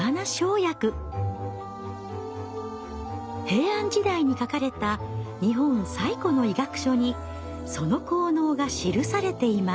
平安時代に書かれた日本最古の医学書にその効能が記されています。